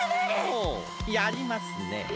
ほうやりますね。